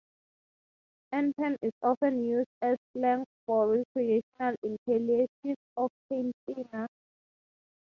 Anpan is often used as slang for recreational inhalation of paint thinner.